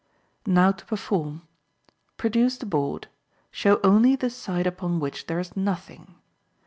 Now to perform. Produce the board. Show only the side upon which there is nothing.